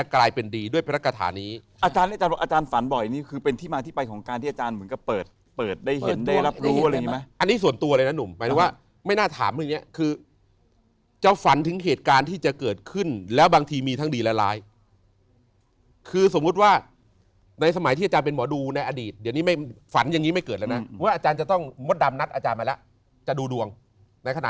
เขาบอกอย่างนี้เขาบอกว่าตอนที่เขาฝันน่ะเขายังไม่ได้ไปอยู่ในโรงละครนั้น